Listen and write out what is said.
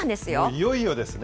いよいよですね。